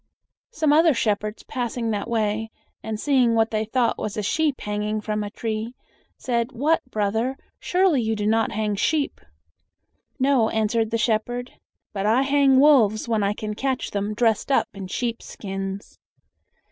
Some other shepherds passing that way and seeing what they thought was a sheep hanging from a tree, said, "What, brother! Surely you do not hang sheep?" "No," answered the shepherd, "but I hang wolves when I catch them dressed up in sheep's skins!"